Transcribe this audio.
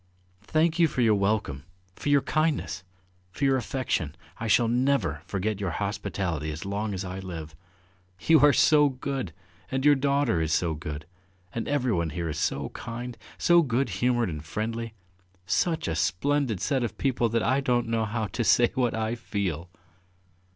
"Thank you for your welcome, for your kindness, for your affection. ... I shall never forget your hospitality as long as I live. You are so good, and your daughter is so good, and everyone here is so kind, so good humoured and friendly ... Such a splendid set of people that I don't know how to say what I feel!"